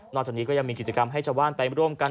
จากนี้ก็ยังมีกิจกรรมให้ชาวบ้านไปร่วมกัน